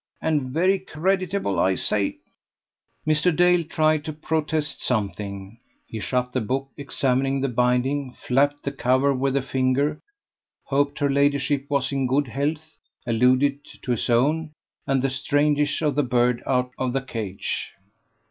And very creditable, I say." Mr. Dale tried to protest something. He shut the book, examining the binding, flapped the cover with a finger, hoped her ladyship was in good health, alluded to his own and the strangeness of the bird out of the cage.